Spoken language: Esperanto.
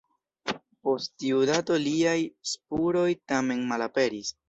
Post tiu dato liaj spuroj tamen malaperis.